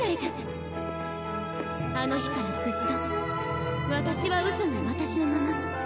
あの日からずっと私はうその私のまま。